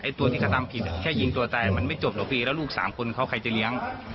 เมื่อที่กระทำผิดแค่ยิงตัวตายมันไม่จบแล้วลูกสามคนเขาใครจะเลี้ยง